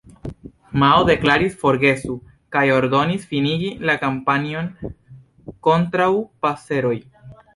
Mao deklaris "forgesu", kaj ordonis finigi la kampanjon kontraŭ paseroj.